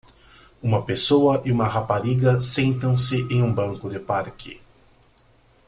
Uma pessoa e uma rapariga sentam-se em um banco de parque.